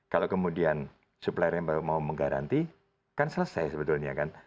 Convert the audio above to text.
kalau kemudian suppliernya mau menggaranti kan selesai sebetulnya kan